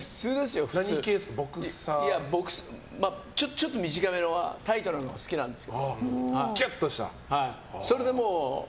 ちょっと短めなタイトなほうが好きなんです。